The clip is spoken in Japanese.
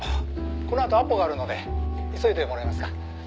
「このあとアポがあるので急いでもらえますか？」